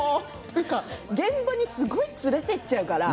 現場にすごく連れて行っちゃうから。